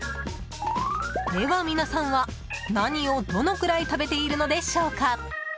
では、皆さんは何をどのぐらい食べているのでしょうか。